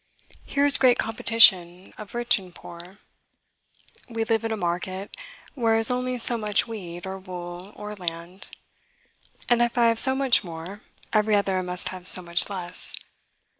Here is great competition of rich and poor. We live in a market, where is only so much wheat, or wool, or land; and if I have so much more, every other must have so much less.